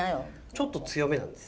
ちょっと強めなんです